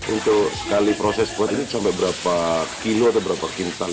untuk sekali proses buat ini sampai berapa kilo atau berapa kingsan